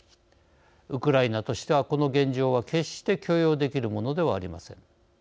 ウクライナとしてはこの現状は決して許容できるものではありません。